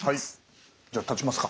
じゃあ立ちますか。